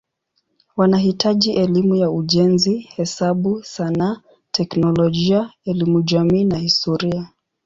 Wanahitaji elimu ya ujenzi, hesabu, sanaa, teknolojia, elimu jamii na historia.